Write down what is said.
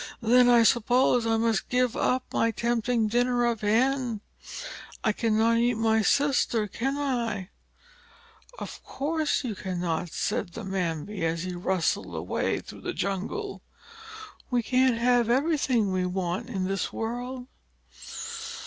"Then I suppose I must give up my tempting dinner of Hen. I cannot eat my Sister, can I?" "Of course you cannot," said the Mbambi, as he rustled away through the jungle. "We can't have everything we want in this world."